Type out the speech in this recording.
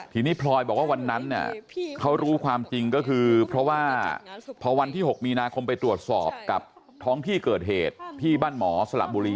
ทีนี้พลอยบอกว่าวันนั้นเนี่ยเขารู้ความจริงก็คือเพราะว่าพอวันที่๖มีนาคมไปตรวจสอบกับท้องที่เกิดเหตุที่บ้านหมอสละบุรี